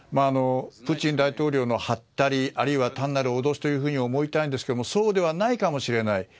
プーチン大統領のはったりあるいは単なる脅しと思いたいんですけれどもそうではないかもしれない。